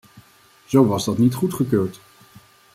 Zo was dat niet goedgekeurd.